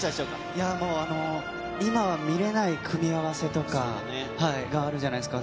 いや、今は見れない組み合わせとかがあるじゃないですか。